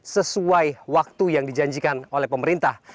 sesuai waktu yang dijanjikan oleh pemerintah